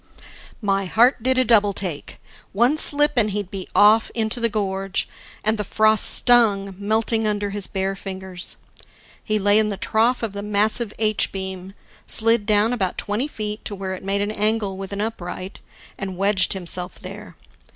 My heart did a double take; one slip and he'd be off into the gorge, and the frost stung, melting under his bare fingers. He lay in the trough of the massive H beam, slid down about twenty feet to where it made an angle with an upright, and wedged himself there.